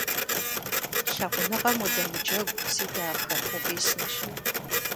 Лъагъуныгъэм удэмыджэгу, си дахэ, укъисынщ.